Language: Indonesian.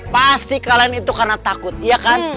pasti kalian itu karena takut iya kan